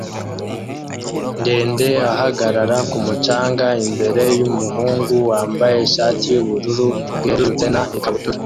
ndende ahagarara ku mucanga imbere yumuhungu wambaye ishati yubururu bwerurutse na ikabutura